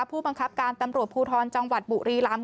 ผู้บังคับการตำรวจภูทรจังหวัดบุรีลำ